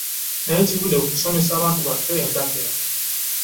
Naye kivudde ku kusomesa bantu baffe ntakera.